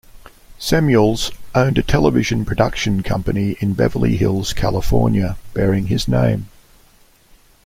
Samuels owned a television production company in Beverly Hills, California bearing his name.